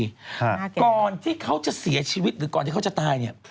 ค่ะก่อนที่เขาจะเสียชีวิตหรือก่อนที่เขาจะตายเนี้ย